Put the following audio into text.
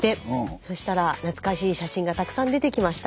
え⁉そしたら懐かしい写真がたくさん出てきましたと。